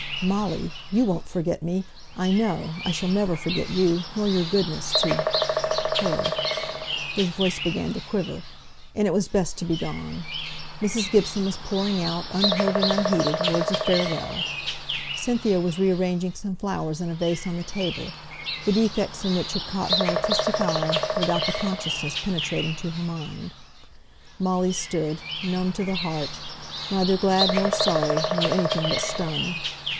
"Molly! you won't forget me, I know; I shall never forget you, nor your goodness to her." His voice began to quiver, and it was best to be gone. Mrs. Gibson was pouring out, unheard and unheeded, words of farewell; Cynthia was re arranging some flowers in a vase on the table, the defects in which had caught her artistic eye, without the consciousness penetrating to her mind. Molly stood, numb to the heart; neither glad nor sorry, nor anything but stunned.